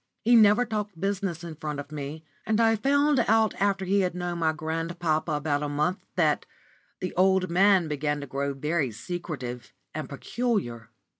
He never talked business in front of me, and I found after he had known my grandpapa about a month that the old man began to grow very secretive and peculiar.